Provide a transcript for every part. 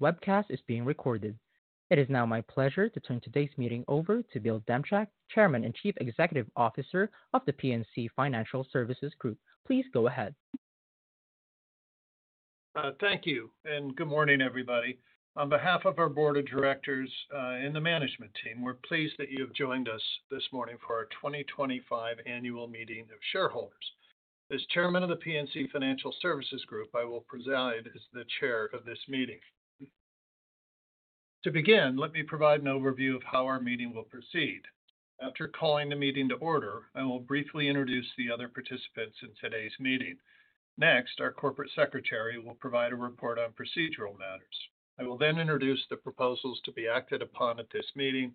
Webcast is being recorded. It is now my pleasure to turn today's meeting over to Bill Demchak, Chairman and Chief Executive Officer of The PNC Financial Services Group. Please go ahead. Thank you and good morning, everybody. On behalf of our board of directors and the management team, we're pleased that you have joined us this morning for our 2025 Annual Meeting of Shareholders. As Chairman of The PNC Financial Services Group, I will preside as the chair of this meeting. To begin, let me provide an overview of how our meeting will proceed. After calling the meeting to order, I will briefly introduce the other participants in today's meeting. Next, our Corporate Secretary will provide a report on procedural matters. I will then introduce the proposals to be acted upon at this meeting.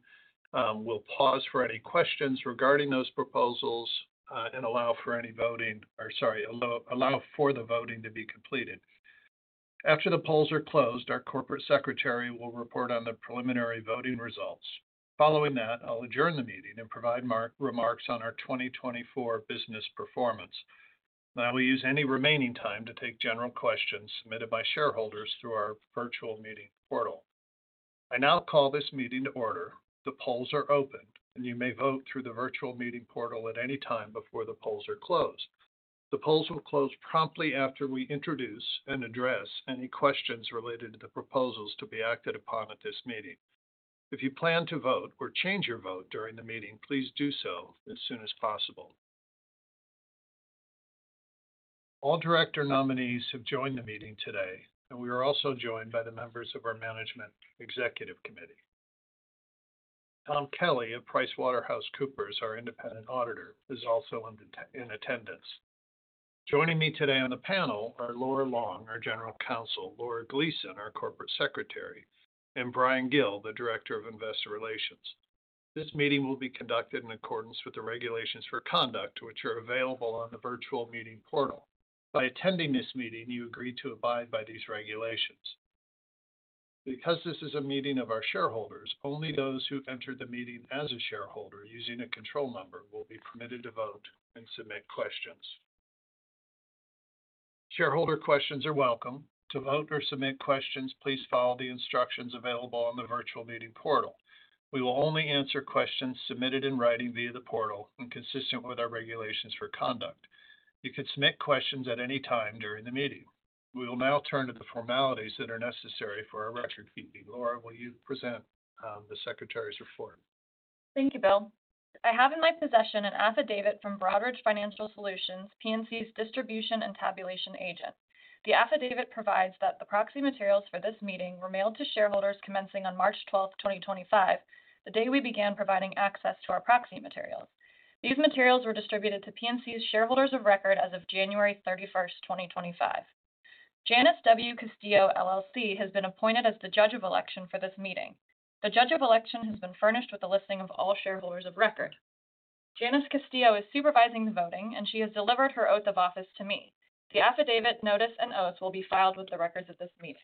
We'll pause for any questions regarding those proposals and allow for any voting or. Sorry. Allow for the voting to be completed. After the polls are closed, our Corporate Secretary will report on the preliminary voting results. Following that, I'll adjourn the meeting and provide remarks on our 2024 business performance. I will use any remaining time to take general questions submitted by shareholders through our virtual meeting portal. I now call this meeting to order. The polls are open, and you may vote through the virtual meeting portal at any time before the polls are closed. The polls will close promptly after we introduce and address any questions related to the proposals to be acted upon at this meeting. If you plan to vote or change your vote during the meeting, please do so as soon as possible. All director nominees have joined the meeting today, and we are also joined by the members of our Management Executive Committee. Tom Kelly of PricewaterhouseCoopers, our independent auditor, is also in attendance. Joining me today on the panel are Laura Long, our General Counsel, Laura Gleason, our Corporate Secretary, and Bryan Gill, the Director of Investor Relations. This meeting will be conducted in accordance with the regulations for conduct which are available on the virtual meeting portal. By attending this meeting, you agree to abide by these regulations. Because this is a meeting of our shareholders, only those who entered the meeting as a shareholder using a control number will be permitted to vote and submit questions. Shareholder questions are welcome. To vote or submit questions, please follow the instructions available on the virtual meeting portal. We will only answer questions submitted in writing via the portal and, consistent with our regulations for conduct, you can submit questions at any time during the meeting. We will now turn to the formalities that are necessary for record keeping. Laura, will you present the secretary's report? Thank you, Bill. I have in my possession an affidavit from Broadridge Financial Solutions, PNC's distribution and tabulation agent. The affidavit provides that the proxy materials for this meeting were mailed to shareholders commencing on March 12th, 2025, the day we began providing access to our proxy materials. These materials were distributed to PNC's shareholders of record as of January 31st, 2025. Janice W. Castillo has been appointed as the judge of election for this meeting. The judge of election has been furnished with a listing of all shareholders of record. Janice Castillo is supervising the voting and she has delivered her oath of office to me. The affidavit, notice and oath will be filed with the records of this meeting.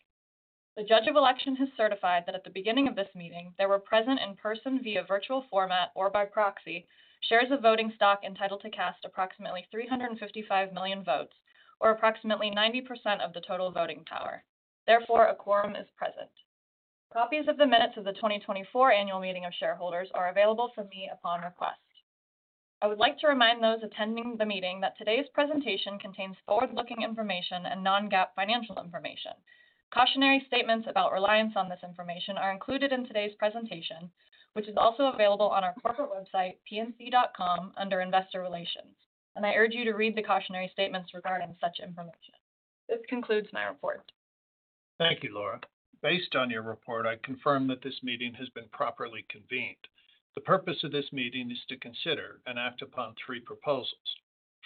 The judge of election has certified that at the beginning of this meeting there were present in person, via virtual format or by proxy, shares of voting stock entitled to cast approximately 355 million votes, or approximately 90% of the total voting power. Therefore, a quorum is present. Copies of the minutes of the 2024 Annual Meeting of Shareholders are available for me upon request. I would like to remind those attending the meeting that today's presentation contains forward-looking information and non-GAAP financial information. Cautionary statements about reliance on this information are included in today's presentation, which is also available on our corporate website, pnc.com under Investor Relations, and I urge you to read the cautionary statements regarding such information. This concludes my report. Thank you, Laura. Based on your report, I confirm that this meeting has been properly convened. The purpose of this meeting is to consider and act upon three proposals.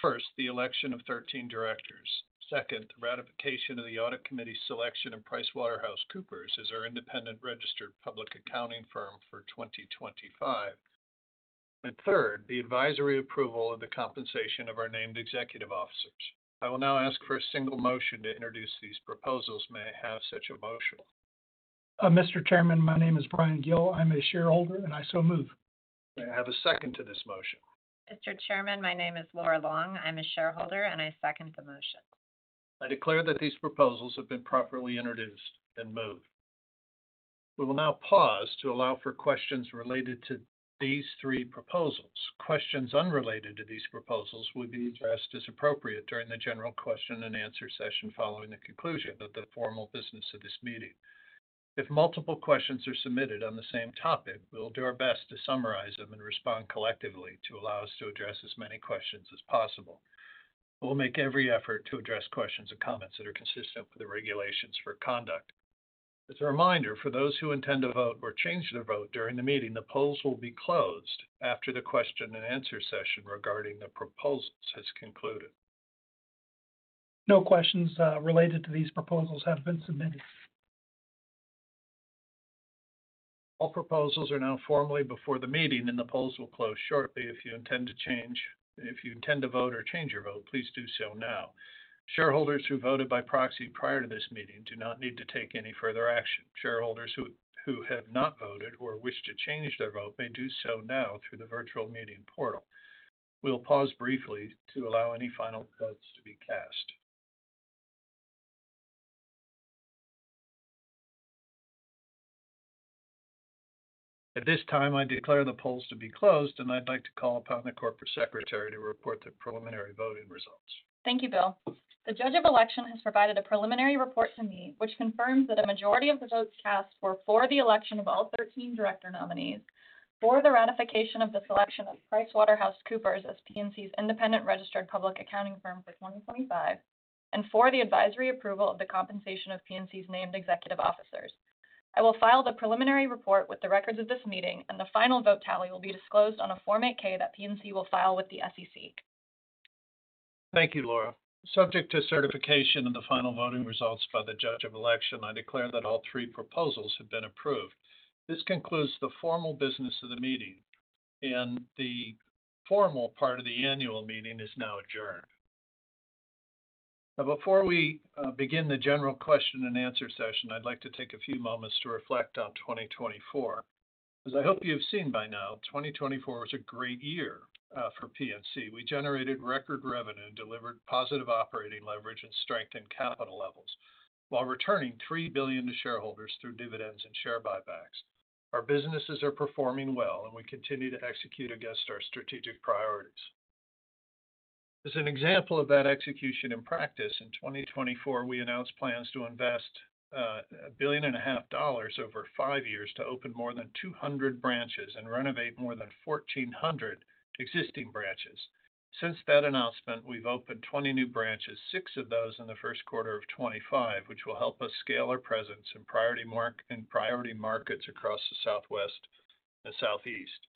First, the election of 13 directors. Second, the ratification of the Audit Committee selection and PricewaterhouseCoopers as our independent registered public accounting firm for 2025, and third, the advisory approval of the compensation of our named executive officers. I will now ask for a single motion to introduce these proposals. May I have such a motion, Mr. Chairman? My name is Bryan Gill. I'm a shareholder and I so move. May I have a second to this motion, Mr. Chairman? My name is Laura Long. I'm a shareholder and I second the motion. I declare that these proposals have been properly introduced and moved. We will now pause to allow for questions related to these three proposals. Questions unrelated to these proposals will be addressed as appropriate during the general question and answer session following the conclusion of the formal business of this meeting. If multiple questions are submitted on the same topic, we will do our best to summarize them and respond collectively to allow us to address as many questions as possible. We'll make every effort to address questions and comments that are consistent with the regulations for conduct. As a reminder for those who intend to vote or change their vote during the meeting, the polls will be closed after the question and answer session regarding the proposals has concluded. No questions related to these proposals have been submitted. All proposals are now formally before the meeting and the polls will close shortly. If you intend to vote or change your vote, please do so now. Shareholders who voted by proxy prior to this meeting do not need to take any further action. Shareholders who have not voted or wish to change their vote may do so now through the virtual meeting portal. We will pause briefly to allow any final votes to be cast. At this time, I declare the polls to be closed and I'd like to call upon the Corporate Secretary to report the preliminary voting results. Thank you, Bill. The judge of election has provided a preliminary report to me which confirms that a majority of the votes cast were for the election of all 13 director nominees. For the ratification of the selection of PricewaterhouseCoopers as PNC's independent registered public accounting firm for 2025, and for the advisory approval of the compensation of PNC's named executive officers. I will file the preliminary report with the records of this meeting and the final vote tally will be disclosed on a Form 8-K that PNC will file with the SEC. Thank you, Laura. Subject to certification and the final voting results by the judge of election, I declare that all three proposals have been approved. This concludes the formal business of the meeting and the formal part of the annual meeting is now adjourned. Now, before we begin the general question and answer session, I'd like to take a few moments to reflect on 2024. As I hope you've seen by now, 2024 was a great year for PNC. We generated record revenue and delivered positive operating leverage and strengthened capital levels while returning $3 billion to shareholders through dividends and share buybacks. Our businesses are performing well and we continue to execute against our strategic priorities. As an example of that execution in practice, in 2024, we announced plans to invest $1.5 billion over five years to open more than 200 branches and renovate more than 1,400 existing branches. Since that announcement, we've opened 20 new branches, six of those in first quarter 2025, which will help us scale our presence in priority markets across the Southwest and Southeast.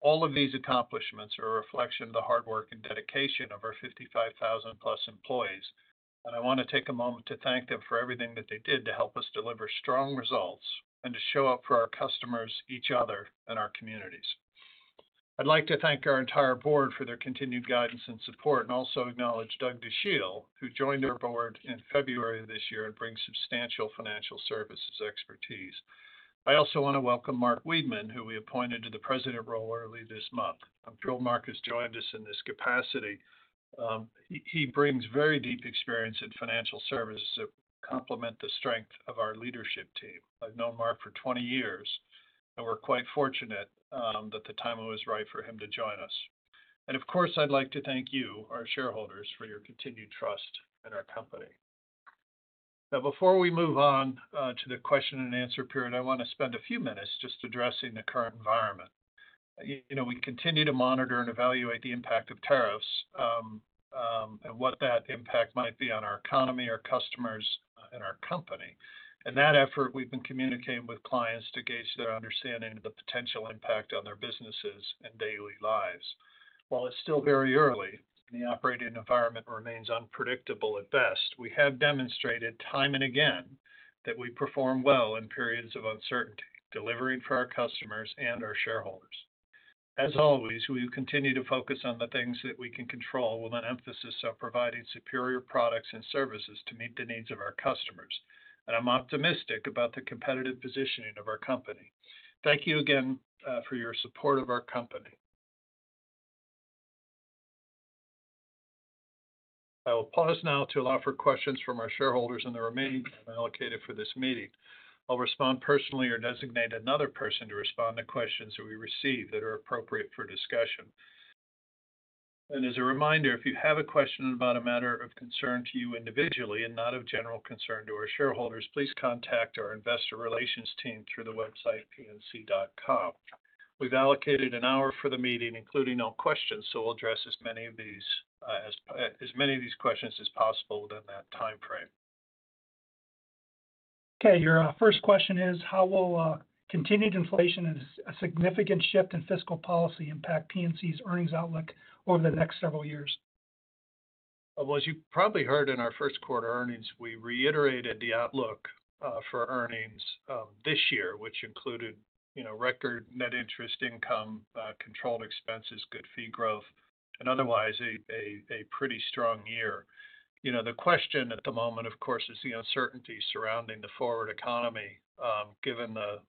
All of these accomplishments are a reflection of the hard work and dedication of our 55,000+ employees. I want to take a moment to thank them for everything that they did to help us deliver strong results and to show up for our customers, each other and our communities. I'd like to thank our entire board for their continued guidance and support and also acknowledge Doug Dachille, who joined our board in February of this year and brings substantial financial services expertise. I also want to welcome Mark Wiedman, who we appointed to the president role early this month. I'm thrilled Mark has joined us in this capacity. He brings very deep experience in financial services that complement the strength of our leadership team. I've known Mark for 20 years and we're quite fortunate that the timing was right for him to join us. Of course, I'd like to thank you, our shareholders, for your continued trust in our company. Now, before we move on to the question and answer period, I want to spend a few minutes just addressing the current environment. You know, we continue to monitor and evaluate the impact of tariffs and what that impact might be on our economy, our customers and our company. In that effort, we've been communicating with clients to gauge their understanding of the potential impact on their businesses and daily lives. While it's still very early, the operating environment remains unpredictable at best. We have demonstrated time and again that we perform well in periods of uncertainty, delivering for our customers and our shareholders. As always, we continue to focus on the things that we can control with an emphasis on providing superior products and services to meet the needs of our customers. I'm optimistic about the competitive positioning of our company. Thank you again for your support of our company. I will pause now to allow for questions from our shareholders and the remaining time allocated for this meeting. I'll respond personally or designate another person to respond to questions that we receive that are appropriate for discussion. As a reminder, if you have a question about a matter of concern to you individually and not of general concern to our shareholders, please contact our investor relations team through the website pnc.com. We have allocated an hour for the meeting, including questions. We will address as many of these questions as possible within that timeframe. Okay, your first question is how will continued inflation and a significant shift in fiscal policy impact PNC's earnings outlook over the next several years? As you probably heard, in our first quarter earnings, we reiterated the outlook for earnings this year, which included, you know, record net interest income, controlled expenses, good fee growth and otherwise a pretty strong year. You know, the question at the moment, of course, is the uncertainty surrounding the forward economy given the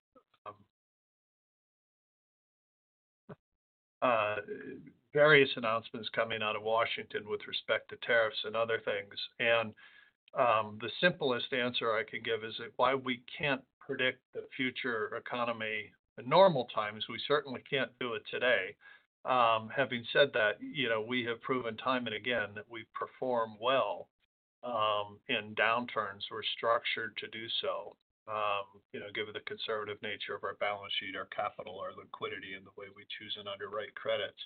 various announcements coming out of Washington with respect to tariffs and other things. The simplest answer I could give is why we can't predict the future economy in normal times, we certainly can't do it today. Having said that, you know, we have proven time and again that we perform well in downturns. We're structured to do so, you know, given the conservative nature of our balance sheet, our capital, our liquidity, and the way we choose and underwrite credits.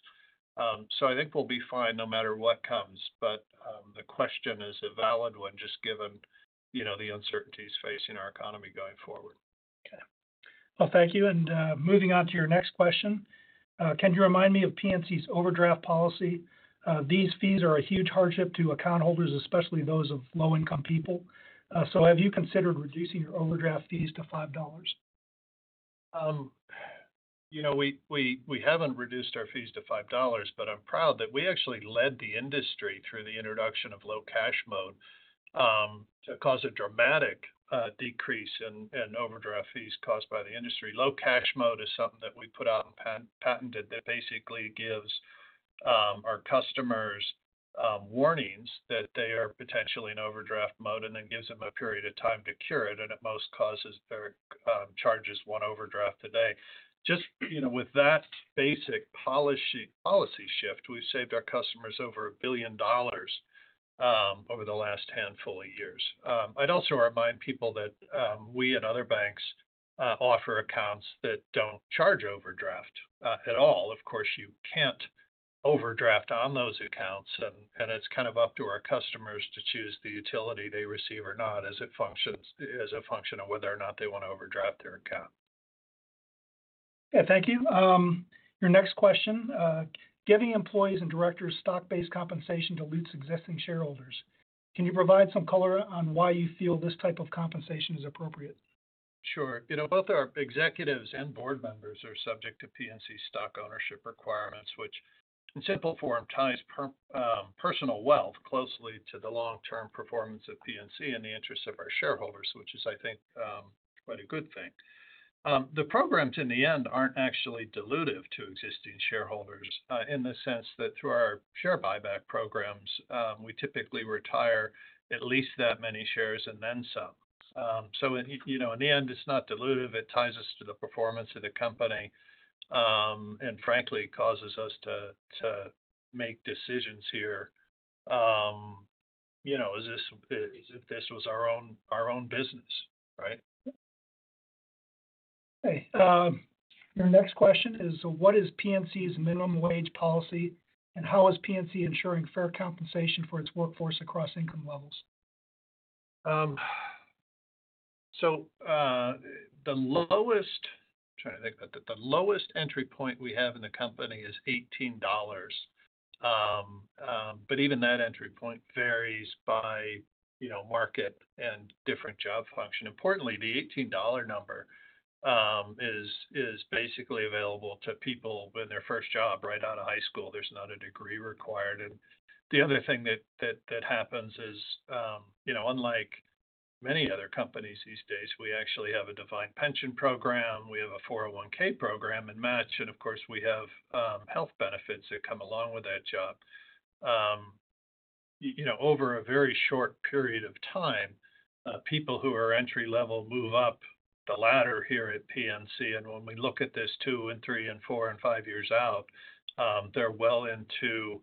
I think we'll be fine no matter what comes. The question is a valid one just given, you know, the uncertainties facing our economy going forward. Okay, thank you. Moving on to your next question. Can you remind me of PNC's overdraft policy? These fees are a huge hardship to account holders, especially those of low income people. Have you considered reducing your overdraft fees to $5? You know, we haven't reduced our fees to $5, but I'm proud that we actually led the industry through the introduction of Low Cash Mode to cause a dramatic decrease in overdraft fees caused by the industry. Low Cash Mode is something that we put out and patented that basically gives our customers warnings that they are potentially in overdraft mode and then gives them a period of time to cure it and at most causes charges one overdraft. Today, just with that basic policy shift, we've saved our customers over $1 billion over the last handful of years. I'd also remind people that we at other banks offer accounts that don't charge overdraft at all. Of course, you can't overdraft on those accounts. It is kind of up to our customers to choose the utility they receive or not as a function of whether or not they want to overdraft their account. Yeah. Thank you. Your next question, giving employees and directors stock-based compensation dilutes existing shareholders. Can you provide some color on why you feel this type of compensation is appropriate? Sure. You know, both our executives and board members are subject to PNC stock ownership requirements, which in simple form ties personal wealth closely to the long term performance of PNC in the interests of our shareholders, which is, I think, quite a good thing. The programs in the end are not actually dilutive to existing shareholders in the sense that through our share buyback programs, we typically retire at least that many shares and then some. You know, in the end it's not dilutive. It ties us to the performance of the company and frankly causes us to make decisions here, you know, as if this was our own, our own business. Right. Your next question is what is PNC's minimum wage policy and how is PNC ensuring fair compensation for its workforce across income levels? The lowest entry point we have in the company is $18. Even that entry point varies by, you know, market and different job function. Importantly, the $18 number is basically available to people in their first job right out of high school. There is not a degree required. The other thing that happens is unlike many other companies these days, we actually have a defined pension program, we have a 401(k) program and match. Of course we have health benefits that come along with that job over a very short period of time. People who are entry level move up the ladder here at PNC. When we look at this two and three and four and five years out, they are well into,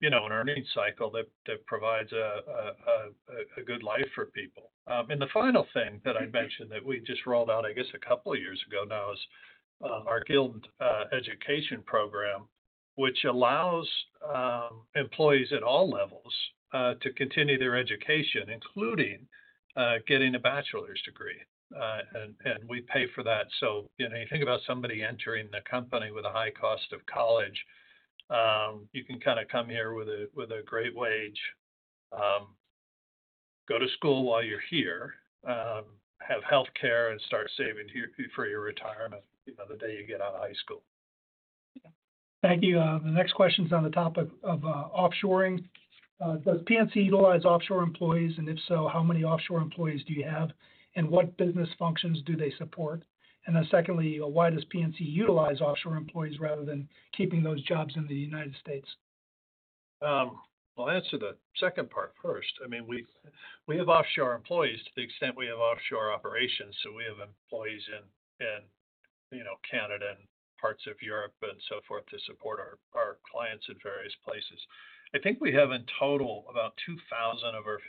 you know, an earnings cycle that provides a good life for people. The final thing that I mentioned that we just rolled out, I guess a couple of years ago now, is our Guild Education program, which allows employees at all levels to continue their education, including getting a bachelor's degree. We pay for that. You think about somebody entering the company with a high cost of college. You can kind of come here with a great wage, go to school while you're here, have health care and start saving for your retirement the day you get out of high school. Thank you. The next question is on the topic of offshoring. Does PNC utilize offshore employees? If so, how many offshore employees do you have and what business functions do they support? Secondly, why does PNC utilize offshore employees rather than keeping those jobs in the United States? I'll answer the second part first. I mean, we have offshore employees to the extent we have offshore operations. So we have employees in, you know, Canada and parts of Europe and so forth to support our clients at various places. I think we have in total about 2,000 of our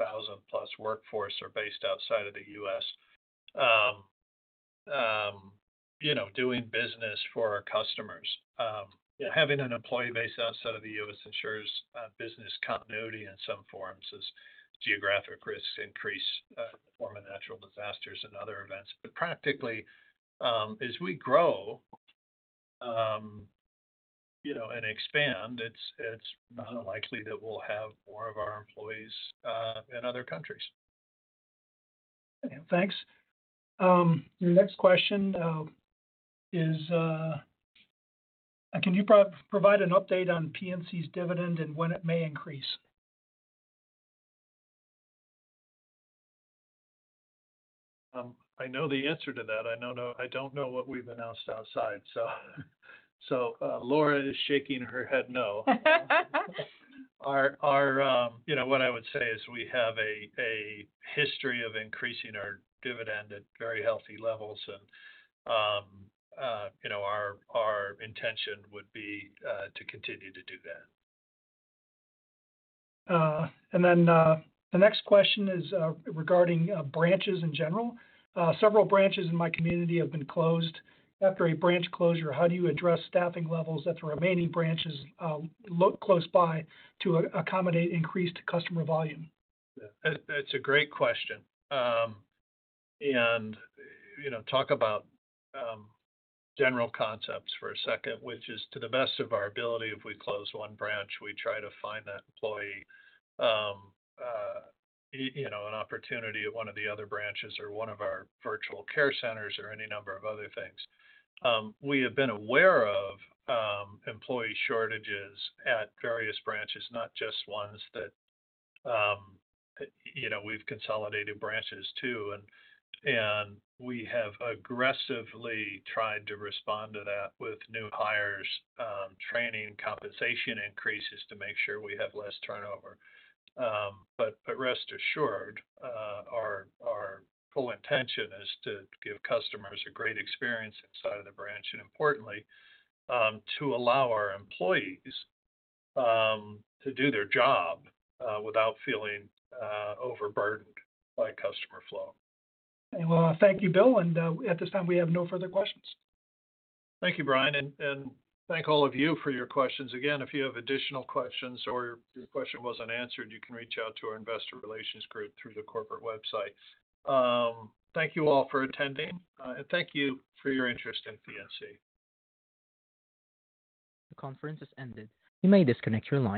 56,000+ workforce are based outside of the U.S., you know, doing business for our customers. Having an employee base outside of the U.S. ensures business continuity in some forms as geographic risks increase, form of natural disasters and other events. Practically, as we grow, you know, and expand, it's unlikely that we'll have more of our employees in other countries. Thanks. Your next question is, can you provide an update on PNC's dividend and when it may increase? I know the answer to that. I don't know. I don't know what we've announced outside. Laura is shaking her head no. What I would say is we have a history of increasing our dividend at very healthy levels and our intention would be to continue to do that. The next question is regarding branches in general. Several branches in my community have been closed. After a branch closure, how do you address staffing levels at the remaining branches close by to accommodate increased customer volume? That's a great question. You know, talk about general concepts for a second, which is, to the best of our ability, if we close one branch, we try to find that employee, you know, an opportunity at one of the other branches or one of our virtual care centers or any number of other things. We have been aware of employee shortages at various branches, not just ones that, you know, we've consolidated branches to. We have aggressively tried to respond to that with new hires, training, compensation increases to make sure we have less turnover. Rest assured, our full intention is to give customers a great experience inside of the branch and, importantly, to allow our employees to do their job without feeling overburdened by customer flow. Thank you, Bill. At this time, we have no further questions. Thank you, Bryan. Thank all of you for your questions. Again, if you have additional questions or your question was not answered, you can reach out to our investor relations group through the corporate website. Thank you all for attending and thank you for your interest in PNC. The conference has ended. You may disconnect your lines.